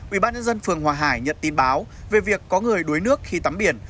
ủy ban nhân dân phường hòa hải nhận tin báo về việc có người đuối nước khi tắm biển